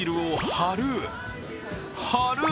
貼る！